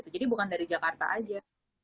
jadi bukan dari jakarta aja